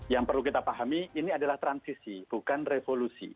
yang perlu kita pahami ini adalah transisi bukan revolusi